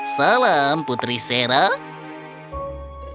salam putri sarah